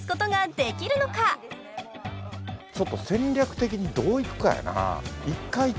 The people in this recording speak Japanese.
ちょっと戦略的にどういくかやなぁ。